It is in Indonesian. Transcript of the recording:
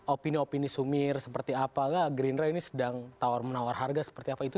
opini opini sumir seperti apakah gerindra ini sedang menawar harga seperti apa itu